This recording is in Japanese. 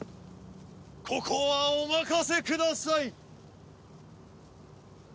ここはお任せください。